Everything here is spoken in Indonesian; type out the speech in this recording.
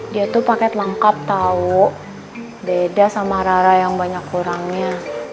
dia tuh paket lengkap tahu beda sama rara yang banyak kurangnya